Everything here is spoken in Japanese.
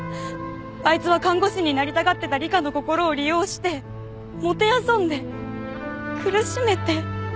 あいつは看護師になりたがってた理香の心を利用してもてあそんで苦しめて。